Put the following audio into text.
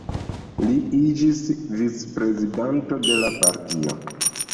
Li iĝis vicprezidanto de la partio.